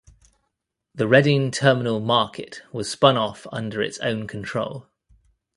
The Reading Terminal Market was spun off under its own control.